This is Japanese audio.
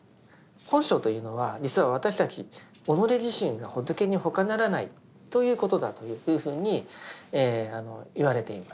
本性というのは実は私たち己自身が仏にほかならないということだというふうにいわれています。